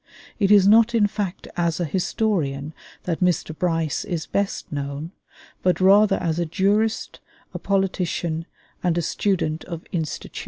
It is not in fact as a historian that Mr. Bryce is best known, but rather as a jurist, a politician, and a student of institutions.